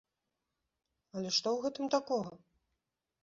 Але што ў гэтым такога?!